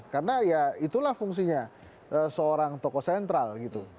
karena ya itulah fungsinya seorang tokoh sentral gitu